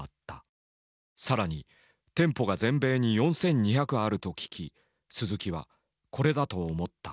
更に店舗が全米に４，２００あると聞き鈴木は「これだ！」と思った。